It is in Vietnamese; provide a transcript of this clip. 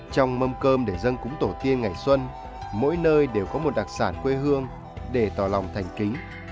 trong mâm cơm để dâng cúng tổ tiên ngày xuân mỗi nơi đều có một đặc sản quê hương để tỏ lòng thành kính